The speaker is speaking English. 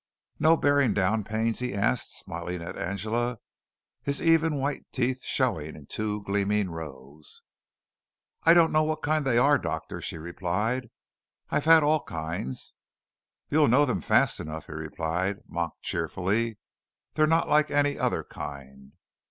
"No bearing down pains?" he asked, smiling at Angela, his even white teeth showing in two gleaming rows. "I don't know what kind they are, doctor," she replied. "I've had all kinds." "You'll know them fast enough," he replied, mock cheerfully. "They're not like any other kind."